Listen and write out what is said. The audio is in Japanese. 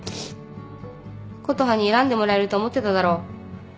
琴葉に選んでもらえると思ってただろ？